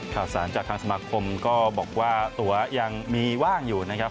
ข่าวสารจากทางสมาคมก็บอกว่าตัวยังมีว่างอยู่นะครับ